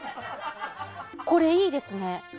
これ、いいですね。